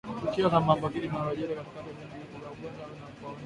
Tukio la maambukizi linalojiri wakati viini vingine vya magonjwa vinapoenea